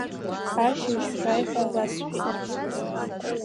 Ашьыжь шәааи ҳәа расҳәеит.